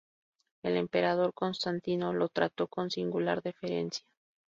El emperador Constantino lo trató con singular deferencia.